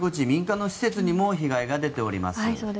民間の施設にも被害が出ております。